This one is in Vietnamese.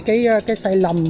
cái sai lầm